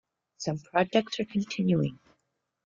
Some projects are continuing.